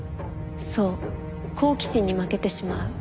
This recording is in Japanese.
そう好奇心に負けてしまう。